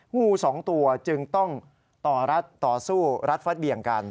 งูสองตัวจึงต้องต่อรัดต่อสู้รัดฟัดเบี่ยงกัน